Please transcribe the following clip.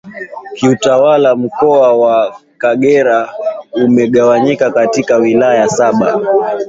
Kiutawala Mkoa wa Kagera umegawanyika katika Wilaya Saba